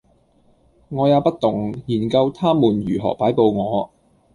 我也不動，研究他們如何擺佈我；